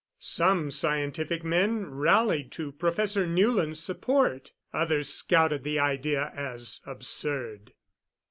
Some scientific men rallied to Professor Newland's support; others scouted the idea as absurd.